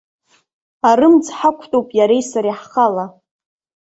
Арымӡ ҳақәтәоуп иареи сареи ҳхала.